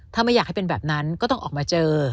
ถ้าไม่อยากให้เป็นแบบนั้นก็ต้องออกมาเจอ